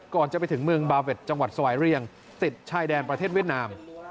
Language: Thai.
ก่อนจะไปถึงเมืองบาเวทจังหวัดสวายเรียงติดชายแดนประเทศเวียดนาม